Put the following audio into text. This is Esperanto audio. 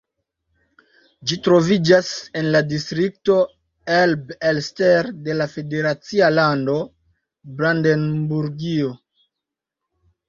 Ĝi troviĝas en la distrikto Elbe-Elster de la federacia lando Brandenburgio.